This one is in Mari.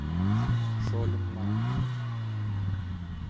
Шольым мане: